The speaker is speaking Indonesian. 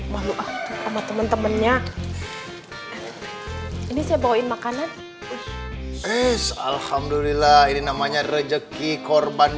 malu ah sama temen temennya ini saya bawain makanan alhamdulillah ini namanya rejeki korban